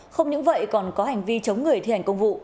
không những vậy còn có hành vi chống người thi hành công vụ